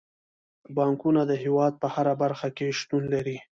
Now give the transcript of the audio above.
بانکونه د هیواد په هره برخه کې شتون لري.